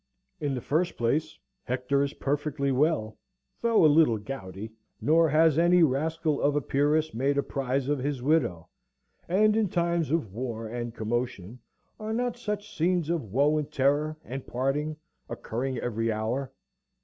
In the first place, Hector is perfectly well (though a little gouty), nor has any rascal of a Pyrrhus made a prize of his widow: and in times of war and commotion, are not such scenes of woe and terror, and parting, occurring every hour?